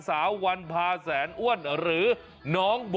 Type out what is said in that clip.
วันพาแสนอ้วนหรือน้องโบ